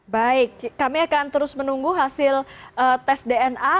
baik kami akan terus menunggu hasil tes dna